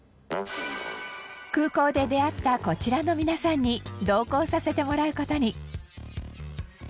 空港で出会ったこちらの皆さんに同行させてもらう事に。